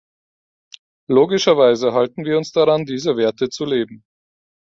Logischerweise halten wir uns daran, diese Werte zu leben.